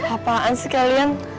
apaan sih kalian